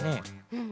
うん。